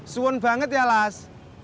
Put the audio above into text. suwon banget ya las